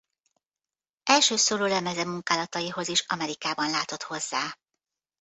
Első szólólemeze munkálataihoz is Amerikában látott hozzá.